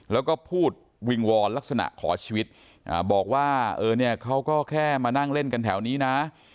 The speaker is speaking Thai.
แล้วก็พูดวิงวอนลักษณะขอชีวิตบอกว่าเออเนี่ยเขาก็แค่มานั่งเล่นกันแถวนี้นะ